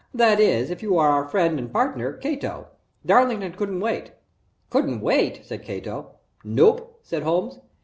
"That is if you are our friend and partner, Cato Darlington couldn't wait " "Couldn't wait?" said Cato. "Nope," said Holmes.